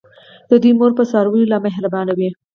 د دوی مور په څارویو لا مهربانه وي.